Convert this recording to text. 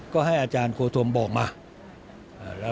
ก็ให้อาจารย์โคธมบอกมา